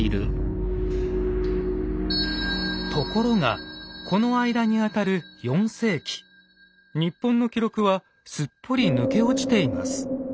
ところがこの間にあたる４世紀日本の記録はすっぽり抜け落ちています。